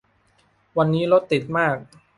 วันนี้รถติดมาก